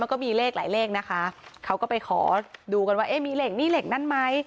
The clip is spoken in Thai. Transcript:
แล้วก็มีเลขหลายเลขนะคะเขาก็ไปขอดูกันว่าเอ๊ะมีเลขนี้เหล็กนั้นไหม